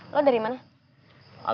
kamu dari mana